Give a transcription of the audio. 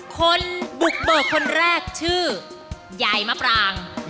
คนบุกเบิกคนแรกชื่อยายมะปราง